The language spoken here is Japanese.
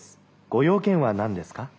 ご用件は何ですか？」。